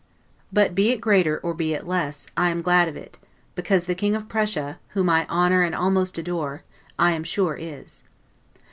But, be it greater or be it less, I am glad of it; because the King of Prussia (whom I honor and almost adore) I am sure is.